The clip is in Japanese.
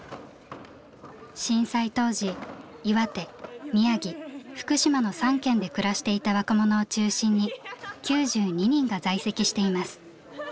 震災当時岩手宮城福島の３県で暮らしていた若者を中心に９２人が在籍しています。